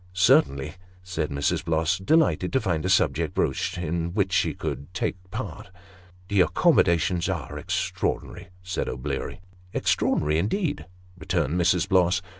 " Certainly," said Mrs. Bloss, delighted to find a subject broached in which she could take part. " The accommodations are extraordinary," said O'Bleary. " Extraordinary indeed," returned Mrs. Bloss.